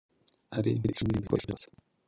Ari impiri, icumu n’ibindi bikoresho byose